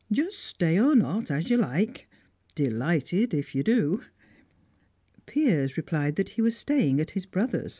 Just stay or not, as you like. Delighted if you do." Piers replied that he was staying at his brother's.